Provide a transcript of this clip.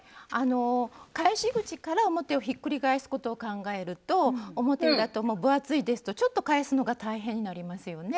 返し口から表をひっくり返すことを考えると表裏とも分厚いですとちょっと返すのが大変になりますよね。